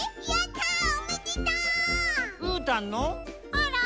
あら？